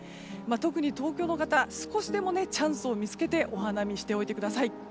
特に東京の方は少しでもチャンスを見つけてお花見しておいてください。